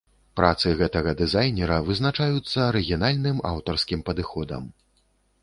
Працы гэтага дызайнера вызначаюцца арыгінальным аўтарскім падыходам.